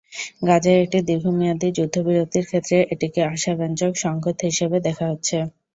গাজায় একটি দীর্ঘমেয়াদি যুদ্ধবিরতির ক্ষেত্রে এটিকে আশাব্যঞ্জক সংকেত হিসেবে দেখা হচ্ছে।